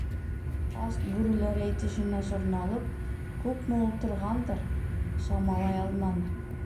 Ас бүреләр әйтешенә сорналып күпме ултырғандыр, самалай алманы.